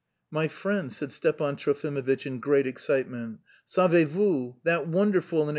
'" "My friend," said Stepan Trofimovitch in great excitement "savez vous, that wonderful and...